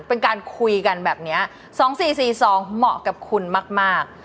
เป็นการคุยกันแบบนี้๒๔๔๒เหมาะกับคุณมาก